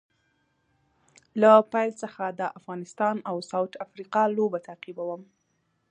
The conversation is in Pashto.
له پیل څخه د افغانستان او ساوت افریقا لوبه تعقیبوم